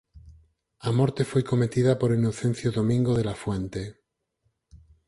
A morte foi cometida por Inocencio Domingo de la Fuente.